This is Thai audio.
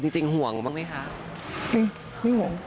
จริงห่วงบ้างไหมคะไม่ห่วง